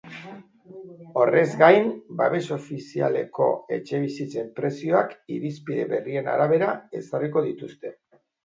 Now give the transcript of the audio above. Horrez gain, babes ofizialeko etxebizitzen prezioak irizpide berrien arabera ezarriko dituzte.